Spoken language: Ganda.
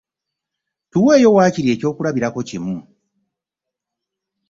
Tuweeyo waakiri ekyokulabirako kimu.